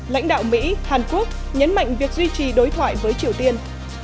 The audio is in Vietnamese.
lãnh đạo mỹ hàn quốc nhấn mạnh việc duy trì đối thoại với triều tiên